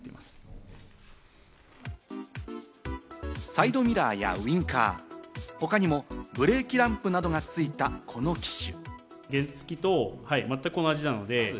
サイドミラーやウインカー、他にもブレーキランプなどがついた、この機種。